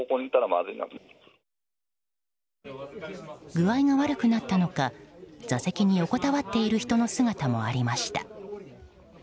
具合が悪くなったのか座席に横たわっている人の姿もありました。